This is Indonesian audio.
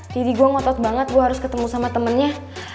gue ngotot banget gue harus ketemu sama temennya